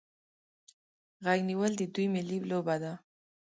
غیږ نیول د دوی ملي لوبه ده.